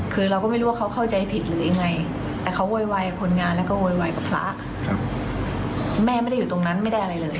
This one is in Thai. คือเราก็ไม่รู้ว่าเขาเข้าใจผิดหรือยังไง